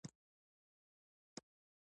ښه خرڅ د ښې اړیکې زیږنده ده.